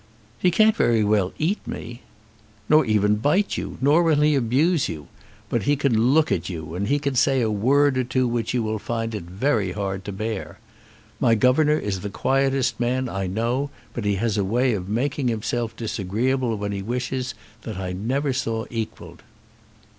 "He can't very well eat me." "Nor even bite you; nor will he abuse you. But he can look at you, and he can say a word or two which you will find it very hard to bear. My governor is the quietest man I know, but he has a way of making himself disagreeable when he wishes, that I never saw equalled."